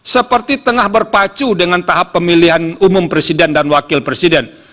seperti tengah berpacu dengan tahap pemilihan umum presiden dan wakil presiden